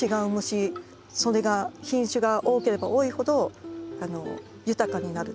それが品種が多ければ多いほど豊かになるって。